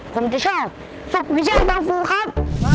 ผมจะชอบฝุกวิชาบางฟูครับ